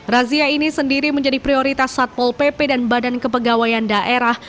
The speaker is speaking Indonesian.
razia ini sendiri menjadi prioritas satpol pp dan badan kepegawaian daerah